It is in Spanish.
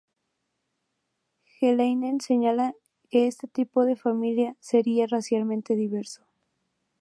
Heinlein señala que este tipo de familia sería racialmente diverso.